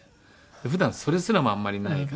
普段それすらもあんまりない方なので。